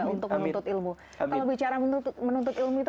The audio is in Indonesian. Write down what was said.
untuk menuntut ilmu